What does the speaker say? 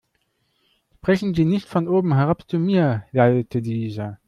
Sprechen Sie nicht von oben herab zu mir, lallte dieser.